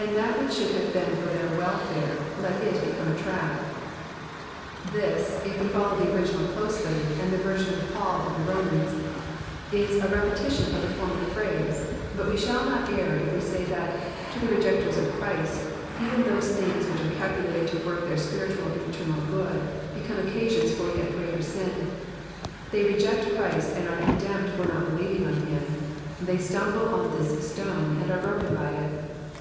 ^''And tJiat which should have been for their welfare^ let it become a trap,'''* This, if we follow the original closely, and the version of Paul in the Romans, is a repetition of the former phrase ; but we shall not err if we say that, to the rejecters of Christ, even those things which are calculated to work their spiritual and eternal good, become occasions for yet greater sin. They Digitized by VjOOQIC PSALM THE SIXTY NINTH. 267 reject Christ, and are condemned for not believing on him ; they stumble on this stone, and are broken by it.